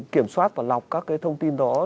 kiểm soát và lọc các cái thông tin đó